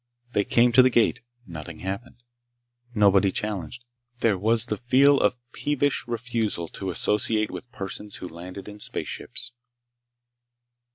They came to the gate. Nothing happened. Nobody challenged. There was the feel of peevish refusal to associate with persons who landed in spaceships.